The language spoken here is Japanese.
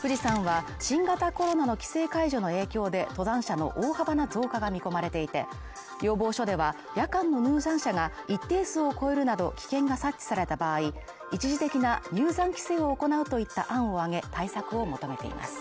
富士山は新型コロナの規制解除の影響で、登山者の大幅な増加が見込まれていて要望書では、夜間の入山者が一定数を超えるなど、危険が察知された場合、一時的な入山規制を行うといった案を挙げ対策を求めています。